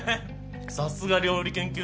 さすが料理研究家だわ。